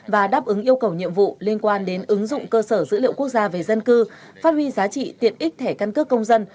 và đáp ứng yêu cầu nhiệm vụ liên quan đến ứng dụng cơ sở dữ liệu quốc gia về dân cư phát huy giá trị tiện ích thẻ căn cước công dân